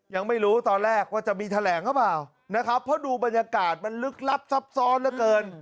ยังไม่รู้ตอนแรกว่าจะมีแถลงหรือเปล่านะครับเพราะดูบรรยากาศมันลึกลับซับซ้อนเหลือเกิน